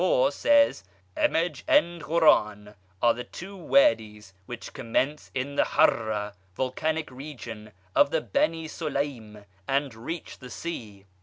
294, says: Amaj and Ghoran are two Wadies which commence in the Harra (volcanic region) of the Beni Solaym, and reach the sea.